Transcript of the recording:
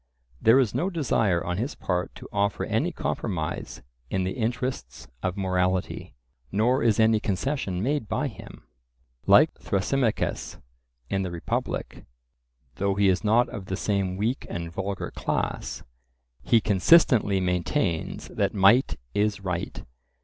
There is no desire on his part to offer any compromise in the interests of morality; nor is any concession made by him. Like Thrasymachus in the Republic, though he is not of the same weak and vulgar class, he consistently maintains that might is right.